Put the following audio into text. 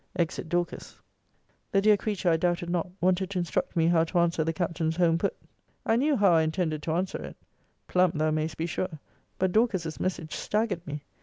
[Exit Dorcas. The dear creature, I doubted not, wanted to instruct me how to answer the Captain's home put. I knew how I intended to answer it plumb, thou may'st be sure but Dorcas's message staggered me.